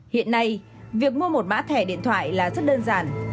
hiện nay việc mua một mã thẻ điện thoại là rất đơn giản